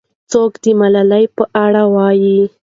څوک د ملالۍ په اړه وایي؟